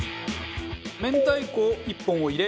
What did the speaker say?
明太子１本を入れ